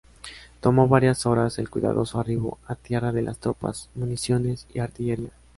Tomó varias horas el cuidadoso arribo a tierra de las tropas, municiones y artillería.